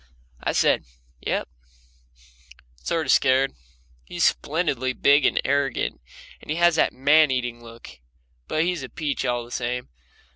I said, "Yep," sort of scared. He's splendidly big and arrogant, and has that man eating look, but he's a peach all the same.